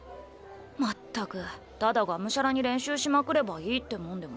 まったくただがむしゃらに練習しまくればいいってもんでもないのに。